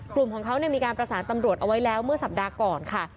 กลุ่มของเขามีการประสานตำรวจเอาไว้แล้วเมื่อสัปดาห์ก่อนค่ะ